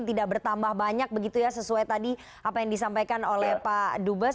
tidak bertambah banyak begitu ya sesuai tadi apa yang disampaikan oleh pak dubes